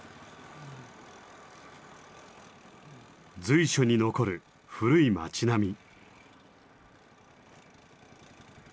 随所に残る古い街並み。